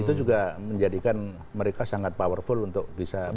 itu juga menjadikan mereka sangat powerful untuk bisa